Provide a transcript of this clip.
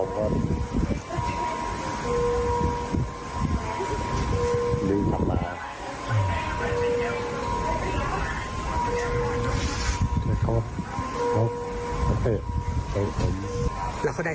คุณผู้ชมติดตามข่าวนี้